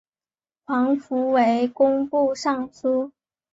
黄福为工部尚书。